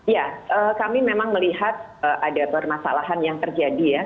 ya kami memang melihat ada permasalahan yang terjadi ya